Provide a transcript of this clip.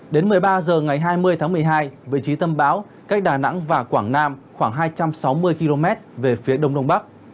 đến một mươi ba h ngày hai mươi tháng một mươi hai vị trí tâm bão cách đà nẵng và quảng nam khoảng hai trăm sáu mươi km về phía đông đông bắc